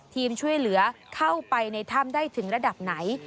ช่วยเหลือเข้าไปในถ้ำได้ถึงระดับไหน